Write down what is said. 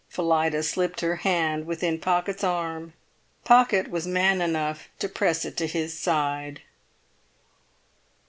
Phillida slipped her hand within Pocket's arm. Pocket was man enough to press it to his side.